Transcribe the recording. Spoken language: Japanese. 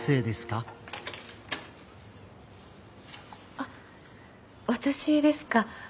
あ私ですか。